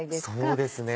そうですね。